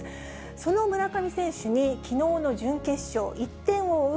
その村上選手に、きのうの準決勝、１点を追う